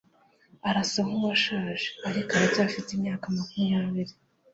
arasa nkuwashaje, ariko aracyafite imyaka makumyabiri